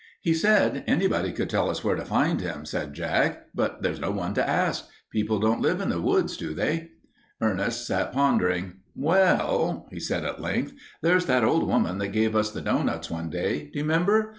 "He said anybody could tell us where to find him," said Jack, "but there's no one to ask. People don't live in the woods, do they?" Ernest sat pondering. "Well," said he at length, "there's that old woman that gave us the doughnuts one day. Do you remember?